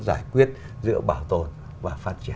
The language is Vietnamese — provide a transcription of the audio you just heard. giải quyết giữa bảo tồn và phát triển